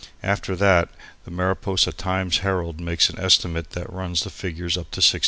After that the Mariposa Times Herald makes an estimate that runs the figures up to 6,500.